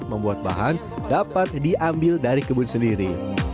membuat bahan dapat diambil dari kebun sendiri